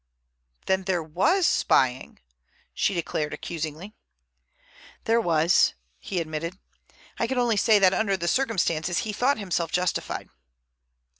"Then there was spying," she declared accusingly. "There was," he admitted. "I can only say that under the circumstances he thought himself justified."